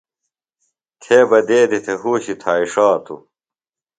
تھےۡ بہ دیدی تھے ہوشی تھائݜاتو۔